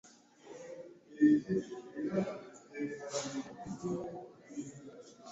Emboozi bw’etayawulwamu ebeera efaanana bubi era obeera ng'awandiise ekitontome.